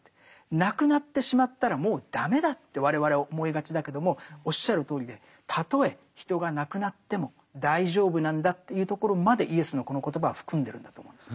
亡くなってしまったらもう駄目だって我々は思いがちだけどもおっしゃるとおりでたとえ人が亡くなっても大丈夫なんだっていうところまでイエスのこの言葉は含んでるんだと思うんです。